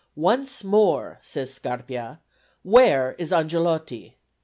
"Once more," says Scarpia, "where is Angelotti?"